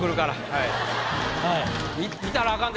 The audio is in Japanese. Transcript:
はい。